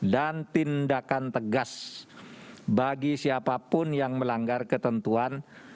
dan tindakan tegas bagi siapapun yang melanggar ketentuan